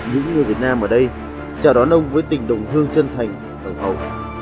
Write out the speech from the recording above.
những người việt nam ở đây chào đón ông với tình đồng thương chân thành tổng hậu